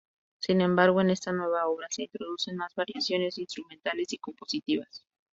Sin embargo en esta nueva obra se introducen más variaciones instrumentales y compositivas.